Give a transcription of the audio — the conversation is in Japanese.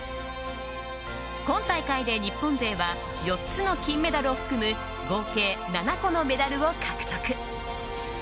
今大会で日本勢は４つの金メダルを含む合計７個のメダルを獲得。